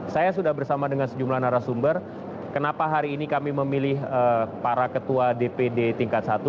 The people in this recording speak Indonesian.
saya sudah bersama dengan sejumlah narasumber kenapa hari ini kami memilih para ketua dpd tingkat satu